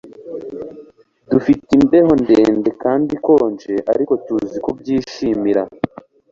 Dufite imbeho ndende kandi ikonje ariko tuzi kubyishimira